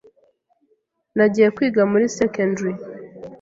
nagiye kwiga muri secondary ,